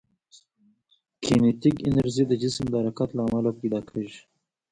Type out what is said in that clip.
کینیتیک انرژي د جسم د حرکت له امله پیدا کېږي.